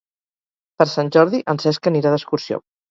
Per Sant Jordi en Cesc anirà d'excursió.